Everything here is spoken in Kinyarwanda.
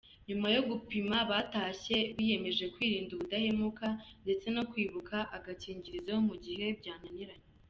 Nyuma yo gupimwa batashye biyemeje kwirinda, ubudahemuka, ndetse no kwibuka agakingirizo, mu gihe byananiranye.